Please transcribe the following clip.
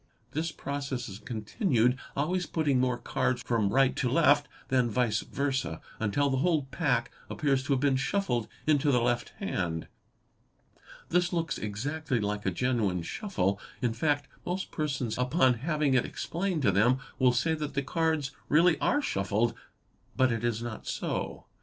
This process is continued, always putting more cards from right to left than vice versa, until the whole pack appears to have been snuffled into the left hand. This looks exactly like a genuine shuffle. In fact, most persons upon having it explained to them will say that the cards really are shuffled, but it is not so.